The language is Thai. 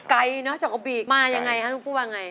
ไกลเนอะจังกะบีกมายังไงครับคุณปุ๊ว่าไง